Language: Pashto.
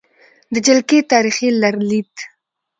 د جلکې تاریخې لرلید: